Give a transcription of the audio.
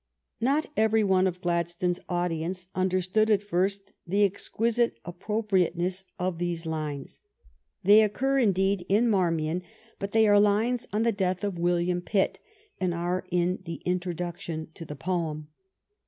Not every one of Gladstone's audience under stood at first the exquisite appropriateness of these lines. They occur, indeed, in " Marmion," but they are lines on the death of William Pitt, and are in the introduction to the poem.